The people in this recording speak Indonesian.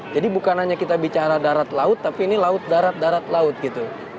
jadi bukan hanya kita bicara darat laut tapi ini laut darat darat laut gitu